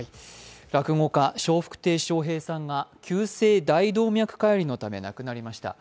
落語家・笑福亭笑瓶さんが急性大動脈解離のため亡くなりました。